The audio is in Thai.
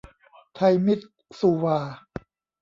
ไทยมิตซูวา